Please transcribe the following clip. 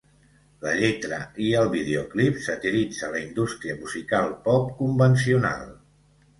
La lletra i el videoclip satiritza la indústria musical pop convencional.